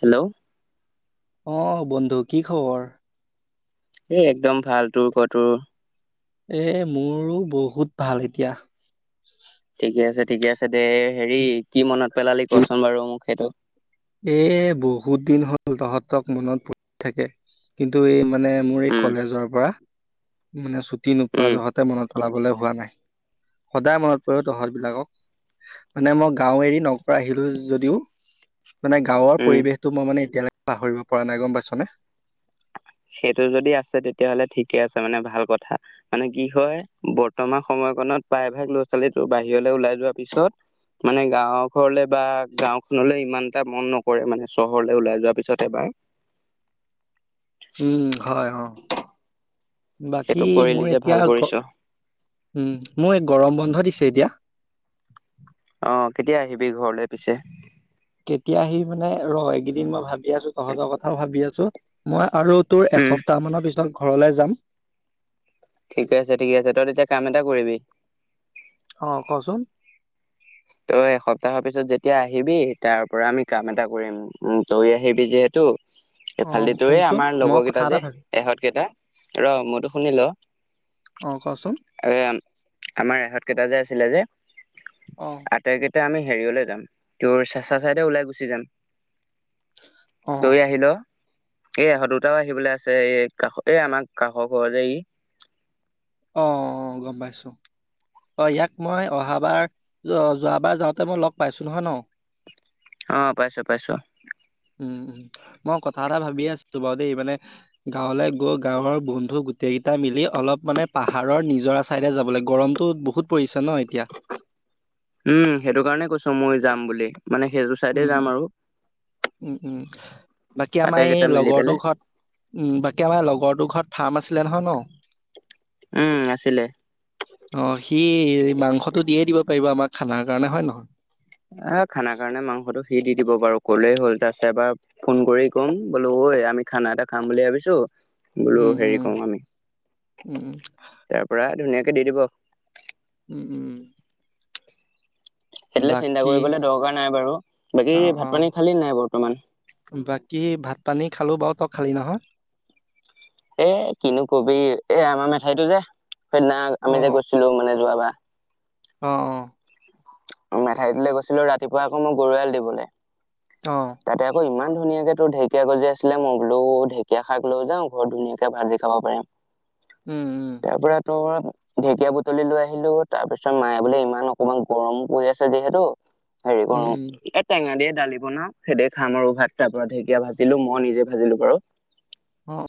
Hello. ' অহ বন্ধু কি খবৰ। এ একদম ভাল তো ক ক তো। এ মোৰো বহুত ভাল এতিয়া। ঠিকে আছে ঠিকে আছে দে হেৰি কি মনত পেলালি কচোন বাৰু মোক সেইটো। এহ বহুত দিন হ'ল তহঁতক মনত পৰি থাকে। কিন্তু এই মানে মোৰ এই উম কলেজৰ পৰা মানে ছুটি নোপোৱা উম যহতে মনত। ওলাবলৈ পোৱা নাই। সদায় মনত পৰে অ তহত বিলাকক। মানে ম গাঁও এৰি নগৰ আহিলোঁ যদিও। মানে গাঁৱৰ উম পৰিৱেশটো মই মানে এতিয়ালৈকে পাহৰিব পৰা নাই গম পাইছ নে। সেইটো যদি আছে তেতিয়াহ'লে ঠিকে আছে মানে ভাল কথা। মানে কি হয় বৰ্তমান সময়কনত প্ৰায়ভাগ ল'ৰা ছোৱালীটো বাহিৰলৈ ওলাই যোৱাৰ পিছত। মানে গাঁও ঘৰলৈ বা গাঁওখনলৈ ইমান এটা মন নকৰে মানে চহৰলৈ ওলাই যোৱাৰ পিছত এবাৰ। উম হয় অহ। সেইটো বাকী কৰিলি মোৰ যে ভাল এতিয়া গ কৰিছ উম মোৰ এই গৰম বন্ধ দিছে এতিয়া। অহ কেতিয়া আহিবি ঘৰলে পিছে। কেতিয়া আহিব মানে ৰ এইকেইদিন মই ভাবি আছো তহঁতৰ কথাও ভাবি আছো মই আৰু। তোৰ উম এসপ্তাহ মানৰ পিছত ঘৰলে যাম। ঠিকে আছে ঠিকে আছে, তই তেতিয়া কাম এটা কৰিবি। অহ কচোন। তই এসপ্তাহৰ পিছত যেতিয়া আহিবি তাৰ পৰা আমি কাম এটা কৰিম। উম তয়ো আহিবি যিহেতু। অ এই ফালে দি তোৰ এই শুনচোন আমাৰ মই লগৰ কথা কেইটা এটা যে ভাবি সিহঁত কেইটা ৰ মোৰটো শুনি ল। অহ কোৱাচোন। এয়া আমাৰ সিহঁত একেইটা যে আছিলে যে। অহ। আটাইকেইটা আমি হেৰিয়লে যাম। তোৰ চেঁচা চাইদে ওলাই গুচি যাম। অ তই আহি ল। এ এহত দুটাও আহিবলৈ আছে। এই কাষতে আমাৰ কাষৰ ঘৰতে ই। অহ গম পাইছোঁ। অহ ইয়াক মই অহাবাৰ যো যোৱাবাৰ যাওঁতে মই লগ পাইছোঁ হয় ন। অহ পাইছোঁ পাইছোঁ। উম মই কথা এটা ভাবিয়ে আছিলো বাৰু দেই মানে গাঁৱলে গৈ গাঁৱৰ বন্ধু‌ গো। টেইকেইটা মিলি অলপ মানে পাহাৰৰ নিজৰা চাইডে যাবলে গৰমতো বহুত পৰিছে ন এতিয়া। উম সেইটো কাৰণে কৈছো ময়ো যাম বুলি মানে সেইটো চা। উম উম উম বাকী আমাৰ আটাইকেইটা এই মিলি পেলাই লগৰটো ঘৰত। উম বাকী আমাৰ লগৰটো ঘৰত ফাৰ্ম আছিলে নহয় ন। উম, আছিলে। অহ, সি মাংসটো দিয়ে দিব পাৰিব। আমাক খানা কাৰণে হয় নহয়। এ খানাৰ কাৰণে মাংসটো সি দি দিব বাৰু ক'লেই হ'ল জাষ্ট এবাৰ ফোন কৰি ক'ম, বোলোঁ ঐ আমি খানা এটা খাম বুলি ভাবিছোঁ। বোলোঁ উম, উম, হেৰি কৰোঁ আমি, উম, তাৰ পৰা ধুনীয়াকে দি দিব। উম, উম উম। সেইটোলে চিন্তা বাকী কৰিবলৈ দৰকাৰ নাই বাৰু বাকী অ', ভাত অ', পানী খালী নাই বৰ্তমান? বাকী ভাত পানী খালোঁ বাৰু, তই খালি নহয়? এ কিনো কবি এ আমাৰ মেঠাইতো যে সেইদিনা অ', আমি যে গৈছিলোঁ মানে যোৱাবাৰ অহ, অহ মেঠাইটোলে গৈছিলোঁ ৰাতিপুৱা আকৌ মই গৰু এৰাল দিব অহ। তাতে আকৌ ইমান ধুনীয়াকে তোৰ ঢেঁকীয়া গজি আছিলে মই বোলোঁ ঢেকীয়া শাক লৈ যাওঁ। ঘৰত ধুনীয়াকে ভাজি খাব পাৰিম। উম, উম তাৰপৰা তোৰ ঢেঁকীয়া বুটলি লৈ আহিলোঁ। তাৰপিছত মায়ে বোলে ইমান অকণমান গৰম পৰি আছে যিহেতু হেৰি উম, কৰোঁ উম, এ টেঙা দিয়ে দালি বনাঁও। সেদি খাম আৰু ভাত তাৰ পৰা ঢেঁকীয়া ভাজিলো মই নিজে ভাজিলো বাৰু। অহ,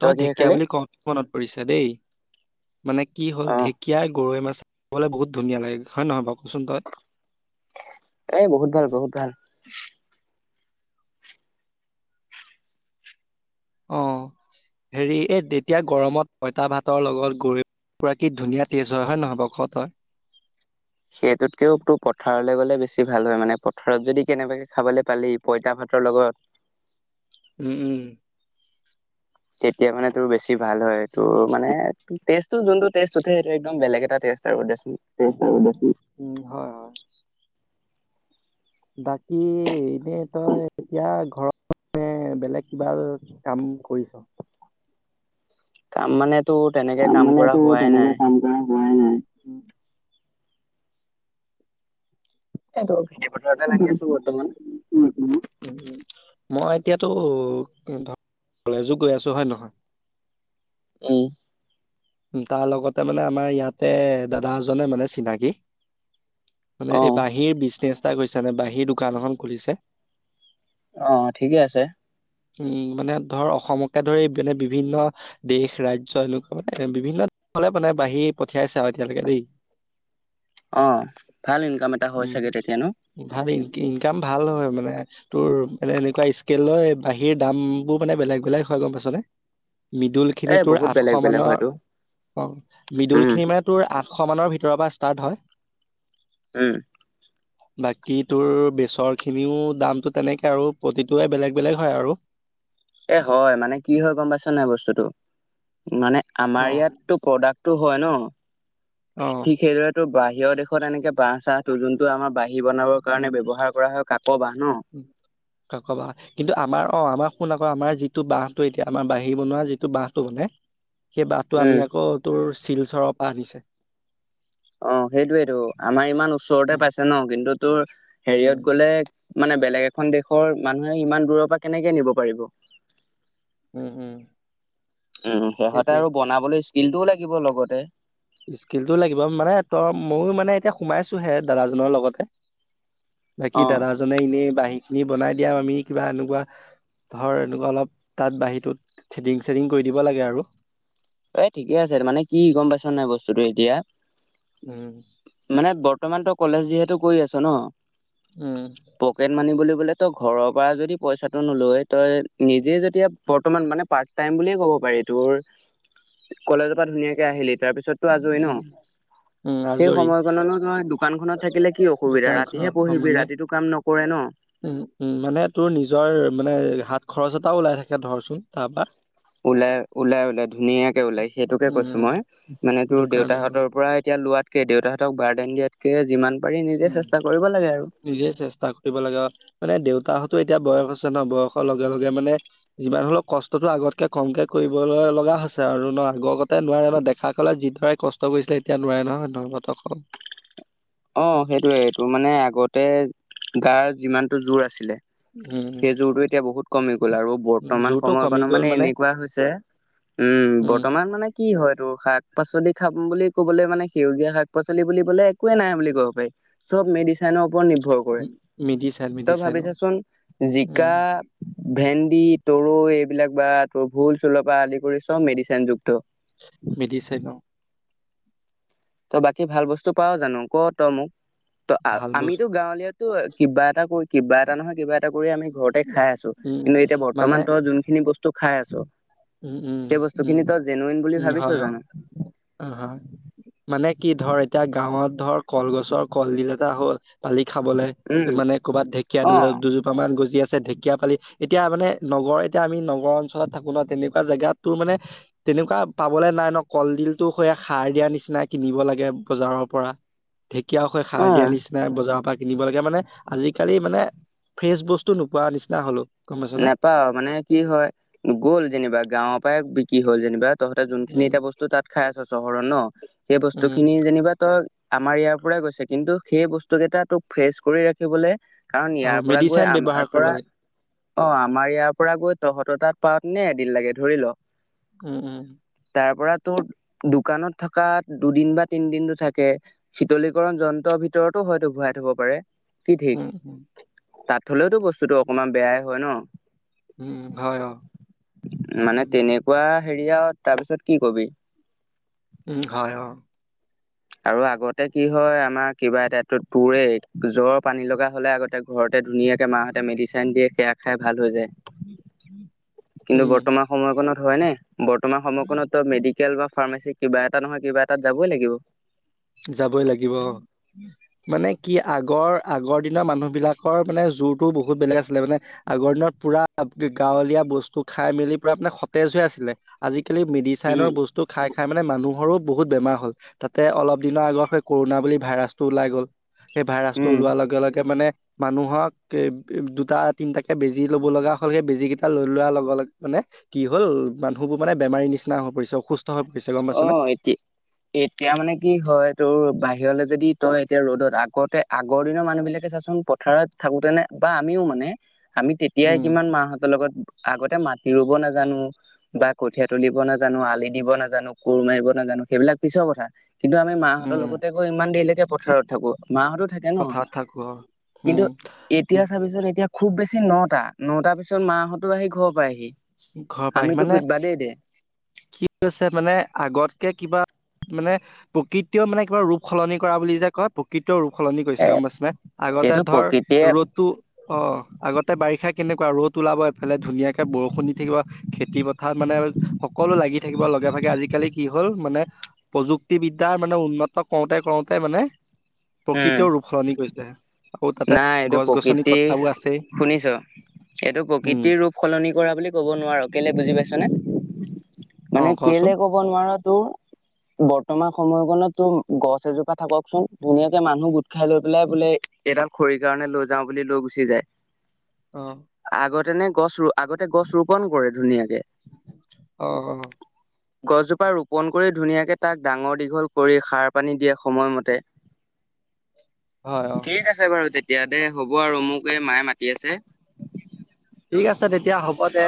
তই কিহে ঢেকীয়া খালি বুলি কওঁতে মনত পৰিছে দেই মানে কি হ'ল অ ঢেকীয়া গৈ মাছ খাবলৈ বহুত ধুনীয়া লাগে। হয় নে নহয় বাৰু কচোন তই? এ বহুত ভাল বহুত ভাল। অ হেৰি এই যেতিয়া গৰমত পঁইতা ভাতৰ লগত গৰৈ পুৰা কি ধুনীয়া তেষ্ট হয় নহয় ক ক তই সেইটোতকেও তোৰ পথাৰলৈ গ'লে বেছি ভাল হয়, মানে পথাৰত যদি কেনেবাকে খাবলৈ পালি পঁইতা ভাতৰ লগত। উম, উম তেতিয়া মানে তোৰ বেছি ভাল হয় টো মানে টেষ্ট। যোনটো টেষ্ট উঠে সেইটো একদম বেলেগ এটা টেষ্ট আৰু দেচুন। টেষ্ট আৰু দেচুন, হয়। হয়। বাকী এনেই তই এতিয়া ঘৰত নে বেলেগ কিবা কাম কৰিছ? কাম মানে তোৰ তেনেকে কাম কৰা হোৱাই নাই। নাই হোৱাই নাই। খেতি পথাৰতে লাগি আছোঁ বৰ্তমান। মই এতিয়াতো কলেজো গৈ আছোঁ হয়নে নহয়। উম, তাৰ লগতে মানে আমাৰ ইয়াতে দাদা এজনে মানে চিনাকি। মানে অ এই বাঁহীৰ বিজনেচ এটা কৰিছে। বাঁহীৰ দোকান এখন খুলিছে। অ অহ, ঠিকেই আছে। উম, মানে ধৰ অসমকে ধৰি মানে বিভিন্ন দেশ ৰাজ্যৰ এনেকুৱা বিভিন্ন দেশলে মানে বাঁহী পঠিয়াইছোঁ আৰু এতিয়ালৈকে দেই। অহ, ভাল ইনকাম এটা হয় উম, চাগে তেতিয়া ন। ভাল ইনকা ইনকাম ভাল নহয় মানে তোৰ মানে এনেকুৱা স্কেলৰে বাঁহীৰ দাম বোৰ মানে বেলেগ বেলেগ হয় গম পাইছানে। মৃদুল এ খিনি তোৰ বহুত বেলেগ আঠশ বেলেগ মানৰ। হয়তো অহ, মিদুল উম খিনি মানে তোৰ আঠশ মানৰ ভিতৰৰ পৰা ষ্টাৰ্ট হয়। উম, [inaudible] বাকী তোৰ বেচৰ খিনিও দামটো তেনেকে আৰু প্ৰতিটোৱে বেলেগ, বেলেগ হয় আৰু। এ হয় মানে, কি হয় গম পাইছ নাই বস্তুটো মানে আমাৰ অ ইয়াত টো প্ৰডাক্টটো হয় নহ, অ ঠিক সেইদৰেটো বাহিৰৰ দেশত এনেকে বাঁহ-চাহ ত যোনটো আমাৰ বাঁহী বনাবৰ কাৰণে ব্যৱহাৰ কৰা হয় কাক বাঁহ ন? কাক বাঁহ। কিন্তু আমাৰ অ আমাৰ শুন আকৌ আমাৰ যিটো বাঁহটো এতিয়া আমাৰ বাঁহী বনোৱা যিটো বাঁহটো মানে। সেই বাঁহটো আমি উম আকৌ তোৰ শিলচৰৰ পৰা আনিছোঁ। অ সেইটোয়েটো আমাৰ ইমান ওচৰতে উম পাইছে ন কিন্তু তোৰ উম হেৰিয়ত গ'লে মানে বেলেগ এখন দেশৰ মানুহে ইমান দূৰৰ পৰা কেনেকে নিব পাৰিব। উম উম। উম সিহঁতে সেইটোৱে। আৰু বনাবলৈ স্কিলটোও লাগিব লগতে। স্কিলটো লাগিব মানে তই মইয়ো মানে এতিয়া সোমাইছো হে দাদাজনৰ লগতে বাকী অ দাদাজনে এনেই বাঁহী খিনি বনাই দিয়া আমি কিবা এনেকুৱা ধৰ এনেকুৱা অলপ তাত বাহীটোত চেডিং - চেডিং কৰি দিব লাগে আৰু। এ ঠিকে আছে তাৰ মানে কি গম পাইছা নাই বস্তুটো এতিয়া। উম। মানে বৰ্তমান তই কলেজ যিহেতু কৰি আছ ন? উম। পকেট মানি বুলি কলে তই ঘৰৰ পৰা যদি পইচাটো নলৈ তই নিজে যেতিয়া বৰ্তমান মানে পাৰ্ট টাইম বুলিয়ে ক'ব পাৰি তোৰ কলেজৰ পৰা ধুনীয়াকে আহিলি তাৰ পিছততো আজৰি ন? উম উম। সেই আজৰি সময়কণনো তমই দোকানখনত থাকিলে কি অসুবিধা, দোকানখন ৰাতিহে অ পঢ়িবি মানে ৰাতিটো কাম নকৰে ন? উম উম মানে তোৰ নিজৰ মানে হাত খৰচ এটাও ওলাই থাকে ধৰচোন তাৰপা ওলাই ওলাই ওলাই ধুনীয়াকে ওলাই সেইটোকে উম কৈছো মই। মানে সেইটো তোৰ কাৰণে আৰু দেউতাহঁতৰ পৰা এতিয়া লোৱাতকে দেউতাহঁতক বাৰডেন দিয়াতকে, যিমান বাকী নিজে উম চেষ্টা কৰিব লাগে আৰু। নিজে চেষ্টা কৰিব লাগে মানে দেউতাহতো এতিয়া বয়স হৈছে ন, বয়সৰ লগে লগে মানে যিমান হলেও কষ্টটো আগতকে কমকে কৰিবলৈ লগা হৈছে, আৰু ন আগৰ গতে নোৱাৰে ন ডেকা কালত যিদৰে কষ্ট কৰিছিলে এতিয়া নোৱাৰে নহয় নহতক। অ সেইটোয়ে এইটো মানে আগতে গাৰ যিমানটো জোৰ আছিলে। উম সেইযোৰটো এতিয়া বহুত কমি গ'ল, আৰু উম, বৰ্তমান জোৰটো কমি সময়কণত গ'ল মানে এনেকুৱা হৈছে উম বৰ্তমান মানে কি হয়, তোৰ শাক-পাচলি খাম বুলি ক'বলৈ মানে সেউজীয়া শাক- পাচলি বুলি কলে একোৱে নাই বুলি কব পাৰি, চব মেডিচেনৰ ওপৰত নিৰ্ভৰ। মেডিচাইন তই মেডিচাইন অ ভাবিছাচোন জিকা, উম ভেন্দি, তৰৈ এইবিলাক বা ভোল- চোলৰ পৰা আদি কৰি চব মেডিচিন যুক্ত। মিলি চাই গওঁ। [unintelligible] তই বাকী ভাল বস্তু পাওঁ জানো, ক তই মোক ত ভাল আমিতো বস্তু গাঁৱলীয়া ত কিবা এটা কৈ কিবা এটা নহয় কিবা এটা কিবা কৰি আমি ঘৰতে খাই আছো উম কিন্তু এতিয়া বৰ্তমান মানে ত যোন খিনি বস্তু খাই আছো। উম উম উম বুলি উম ভাবিছ হয় জানো? অ। মানে কি ধৰ এতিয়া গাঁৱত ধৰ কলগছৰ কলডিল এটা হ'ল পালি খাবলে। উম মানে ক'ৰবাত ঢেকীয়া অ দু দুয বৰ্তমান গজি আছে ঢেকীয়া পালি এতিয়া মানে নগৰ এতিয়া আমি নগৰ অঞ্চলত থাকো ন? তেনেকুৱা জেগাত, তোৰ মানে, তেনেকুৱা পাবলৈ নাই ন'! কলডিলটো সাৰ দিয়া নিচিনা, কিনিব লাগে, বজাৰৰ পৰা। ঢেকীয়া হৈ, অ সাৰ দিয়া নিচ নাই বজাৰৰ পৰা কিনিব লাগে। মানে, আজিকালি মানে, ফ্ৰেচ বস্তু নোপোৱা নিচিনা হ'লোঁ। নেপাওঁ। মানে, কি হয়! গ'ল যেনিবা, গাঁৱৰ পৰাই বিক্ৰী হ'ল যেনিবা তহঁতে যোনখিনি উম এতিয়া বস্তু তাত খাই আছ, চহৰৰত ন'? সেই বস্তু উম খিনি যেনিবা ত' আমাৰ ইয়াৰ পৰাই গৈছে। কিন্তু, সেই বস্তু কেইটা তোক, ফ্ৰেচ কৰি ৰাখিবলে, কাৰণ, অ ইয়াৰ পৰা গৈ, মেডিচাইন ব্যৱহাৰ আমাৰ কৰিব পৰা লাগে অ'! আমাৰ ইয়াৰ পৰা গৈ, তহঁতৰ তাত, পাওঁতেনে এদিন লাগে, ধৰি ল'! উম, উম! তাৰপৰা তোৰ, দোকানত থকা, দুদিন বা তিনদিনটো থাকে। শীতলীকৰণ যন্ত্ৰৰ ভিতৰতো হয়তো, ভৰাইথ''ব পাৰে। কি উম উম ঠিক, তাত হ'লেওতো, বস্তুটো অকমান বেয়াই হয় ন'! [unintelligible] উম হয় অ মানে উম তেনেকুৱা সেৰি আৰু। তাৰপিছত কি ক'বি! উম, হয়, অ'! আৰু আগতে কি হয়, আমাৰ কিবা এটাটো তোৰে, জ্বৰ পানী লগা হ'লে আগতে, ঘৰতে ধুনীয়াকে মাহঁতে মেডিচিন দিয়ে, সেয়া খাই ভাল হৈ যায়। কিন্তু, উম, বৰ্তমান সময়কনত হয়নে? বৰ্তমান সময়কনত ত' মেডিকেল বা ফাৰ্মাচী কিবা এটা নহয় কিবা এটাত যাবই লাগিব। যাবই লাগিব। অ'! মানে কি, আগৰ-আগৰ দিনৰ মানুহ বিলাকৰ মানে, জোৰটো বহুত বেলেগ আছিলে। মানে, আগৰ দিনত পূৰা গাঁৱলীয়া বস্তু খাই-মেলি, পূৰা মানে, সতেজ হৈ আছিলে। আজিকালি, মেডিচাইনৰ উম বস্তু খাই-খাই মানে মানুহৰো বহুত বেমাৰ হ'ল। তাতে, অলপ দিনৰ আগত সেই, কৰোণা বুলি ভাইৰাছটো ওলাই গ'ল। সেই ভাইৰাছটো উম ওলোৱাৰ লগে-লগে মানে, মানুহক, এ, দুটা-তিনটাকে বেজি ল'ব লগা হ'ল। সেই, বেজীকেইটা লৈ লোৱাৰ লগে-লগে মানে, কি হ'ল! মানুহবোৰ মানে, বেমাৰীৰ নিচিনা হৈ পৰিছে, অসু [unintelligible] অ'! এতি এতিয়া মানে, কি হয় তোৰ, বাহিৰলে যদি তই এতিয়া ৰ'দত, আগতে আগৰ দিনৰ মানুহ বিলাকে চাচোন? প পথাৰত থাকোতেনে বা আমিও মানে, আমি তেতিয়াই, উম, কিমান মাহঁতৰ লগত আগতে মাটি ৰোব নাজানোঁ বা কঠিয়া তুলিব নাজানোঁ, আলি দিব নাজানোঁ, কোৰ মাৰিব নাজানোঁ। সেইবিলাক পিছৰ কথা। কিন্তু, আমি মাহঁতৰ উম। লগতে গৈ ইমান দেৰিলৈকে পথাৰত থাকোঁ। মাহঁতো থাকে ন'। পথাৰত থাকো অ উম কিন্তু, এতিয়া চাবিছোন? এতিয়া খুউব বেছি নটা, নটাৰ পিছত মাহঁতো আহি, ঘৰ পাইহি। ঘৰৰ পৰা আহি আমিতো মানে [unintelligible] বাদেই দে। কি হৈছে মানে, আগতকে কিবা মানে, প্ৰকৃতিয় মানে, কিবা ৰূপ সলনি কৰা বুলি যে কয়! প্ৰকৃত ৰূপ সলনি এ কৰিছে, গম পাইছনে? আগতে এইটো ধৰ, প্ৰকৃতিয়ে ৰ'দটো অ'! আগতে বাৰিষা কেনেকুৱা! ৰ'দ ওলাব, এইফালে ধুনীয়াকে বৰষুণ থাকিব। খেতি পথাৰ মানে সকলো লাগি থাকিব লগে-ভাগে। আজিকালি, কি হ'ল মানে, প্ৰযুক্তিবিদ্যাৰ মানে, উন্নত কৰোঁতে-কঁৰোতে মানে, উম প্ৰকৃৃতিও ৰূপ সলনি কৰিছে। আকৌ তাতে, নাই এইটো গছ- গছনি প্ৰকৃতি কটাবোৰ আছেই। শুনিছ এইটো উম প্ৰকৃতিৰ ৰূপ। সলনি কৰা বুলি ক'ব নোৱাৰ। কে'লে বুজি পাইছনে? অ মানে, কচোন কেলে ক নোৱাৰা তোৰ, বৰ্তমান সময়কনত তোৰ, গছ এজোপা থাককচোন। ধুনীয়াকে মানুহ গোট খাই লৈ পেলাই বোলে এডাল খৰিৰ কাৰণে লৈ যাওঁ বুলি লৈ গুচি যায়। অ'। আগতে নে গছ ৰো আগতে গছ ৰোপন কৰে ধুনীয়াকে। অ অ গছজোপা ৰোপন কৰি ধুনীয়াকে তাক ডাঙৰ দীঘল কৰি সাৰ পানী দিয়ে সময়মতে। হয়, হয়। ঠিক আছে বাৰু তেতিয়া দে হ'ব আৰু মোক এই মায়ে মাতি আছে। ঠিক আছে তেতিয়া হ'ব দে।